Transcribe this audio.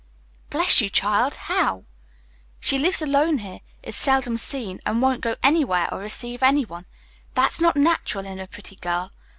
"Bless you, child, how?" "She lives alone here, is seldom seen, and won't go anywhere or receive anyone. That's not natural in a pretty girl.